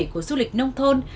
của du lịch nông thôn